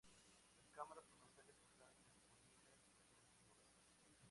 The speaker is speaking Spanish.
Las cámaras comerciales están disponibles en diferentes modelos.